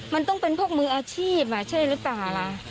มันต้องเป็นพวกมืออาชีพใช่หรือเปล่าล่ะ